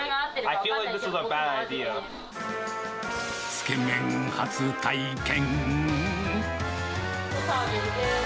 つけ麺初体験。